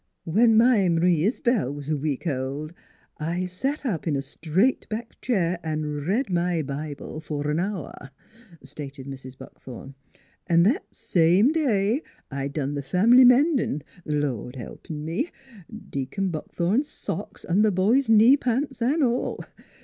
" When my M'ree Is'bel was a week old I sat up in a straight backed chair an' read my Bi ble f'r an hour," stated Mrs. Buckthorn. " An' that same day I done the family mendin', th' Lord helpin' me, Deacon Buckthorn's socks an' th' boys' knee pants 'n' all.